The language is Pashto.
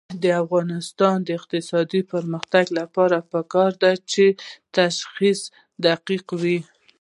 د افغانستان د اقتصادي پرمختګ لپاره پکار ده چې تشخیص دقیق وي.